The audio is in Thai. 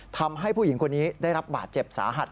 ทำให้ผู้หญิงคนนี้ได้รับบาดเจ็บสาหัส